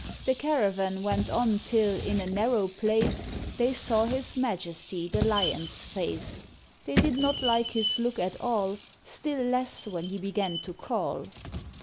The caravan went on till, in a narrow place, They saw his majesty the Lion's face; They did not like his look at all, Still less when he began to call.